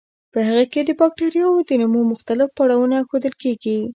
په هغې کې د بکټریاوو د نمو مختلف پړاوونه ښودل کیږي.